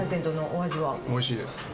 おいしいです。